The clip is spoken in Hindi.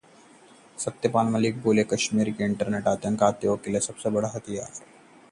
सत्यपाल मलिक बोले- कश्मीर में इंटरनेट आतंकियों के लिए सबसे बड़ा हथियार